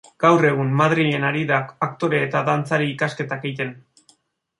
Gaur egun Madrilen ari da aktore eta dantzari ikasketak egiten.